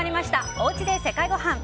おうちで世界ごはん。